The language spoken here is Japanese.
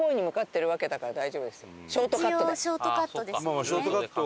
まあショートカット。